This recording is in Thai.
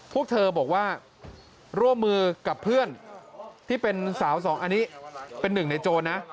พวกเธอบอกว่าร่วมมือกับเพื่อนที่เป็นสาวสองอันนี้เป็นหนึ่งในโจรนะ